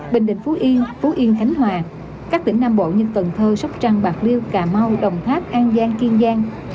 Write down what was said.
bình định phú yên phú yên khánh hòa các tỉnh nam bộ như cần thơ sóc trăng bạc liêu cà mau đồng tháp an giang kiên giang